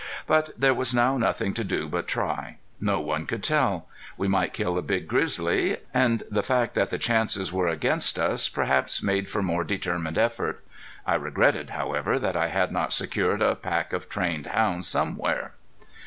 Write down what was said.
But there was now nothing to do but try. No one could tell. We might kill a big grizzly. And the fact that the chances were against us perhaps made for more determined effort. I regretted, however, that I had not secured a pack of trained hounds somewhere.